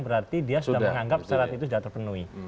berarti dia sudah menganggap syarat itu sudah terpenuhi